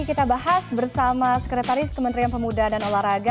kita bahas bersama sekretaris kementerian pemuda dan olahraga